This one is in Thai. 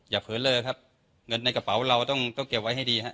อย่าเผินเลิกครับเงินในกระเป๋าเราต้องต้องเก็บไว้ให้ดีฮะ